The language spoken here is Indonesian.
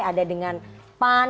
ada dengan pan